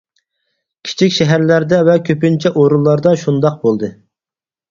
كىچىك شەھەرلەردە ۋە كۆپىنچە ئورۇنلاردا شۇنداق بولدى.